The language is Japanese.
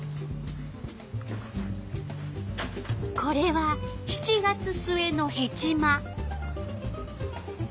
これは７月末のヘチマ。